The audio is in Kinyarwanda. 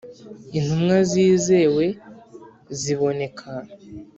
Intumwa zizewe ziboneka